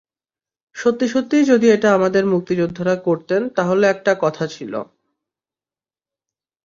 সত্যি সত্যিই যদি এটা আমাদের মুক্তিযোদ্ধারা করতেন, তাহলে একটা কথা ছিল।